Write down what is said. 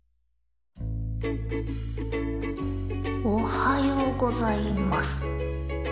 おはようございます。